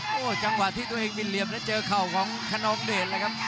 โอ้โหจังหวะที่ตัวเองบินเหลี่ยมแล้วเจอเข่าของขนองเดชเลยครับ